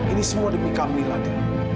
ini semua demi kamila dio